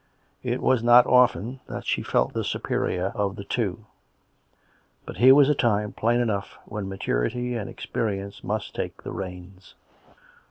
It was not often that she felt the superior of the two; yet here was a time, plain enough, when maturity and experi ence must take the reins.